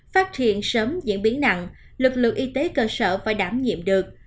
phát hiện sớm diễn biến nặng lực lượng y tế cơ sở phải đảm nhiệm được